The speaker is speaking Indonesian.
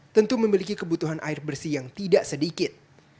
tentu memiliki kebutuhan air bersih yang tidak sedikit